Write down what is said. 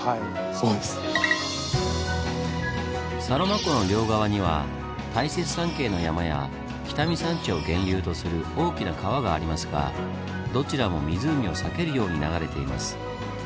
サロマ湖の両側には大雪山系の山や北見山地を源流とする大きな川がありますがどちらも湖を避けるように流れています。